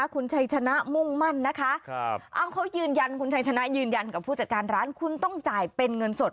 คุณชายชนะยืนยันกับผู้จัดการร้านคุณต้องจ่ายเป็นเงินสด